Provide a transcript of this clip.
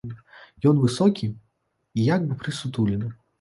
Ён высокі і як бы прысутулены.